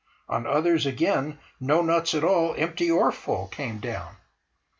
On others again no nuts at all, empty or full, came down.